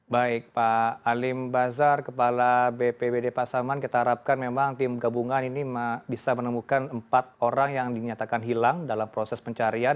baik pak alim bazar kepala bpbd pasaman kita harapkan memang tim gabungan ini bisa menemukan empat orang yang dinyatakan hilang dalam proses pencarian